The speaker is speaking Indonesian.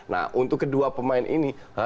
nah untuk kedua pemain ini